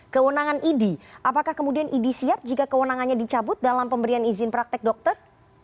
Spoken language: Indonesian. kewenangan idi apakah kemudian idi siap jika kewenangannya dicabut dalam pemberian izin praktek dokter